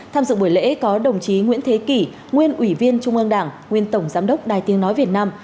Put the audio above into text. tham dự buổi lễ có đồng chí nguyễn thế kỷ nguyên ủy viên trung ương đảng nguyên tổng giám đốc đài tiếng nói việt nam